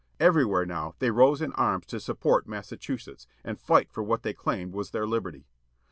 Everywhere now they rose in arms to support Massachusetts, and fight for what they claimed was their liberty.